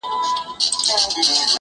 • د هر چا په نزد له لوټي برابر یم -